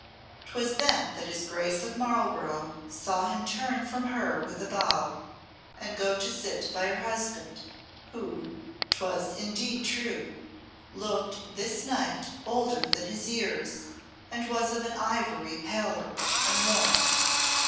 'Twas then that his Grace of Marlborough saw him turn from her with a bow and go to sit by her husband, who, 'twas indeed true, looked this night older than his years, and was of an ivory pallor and worn.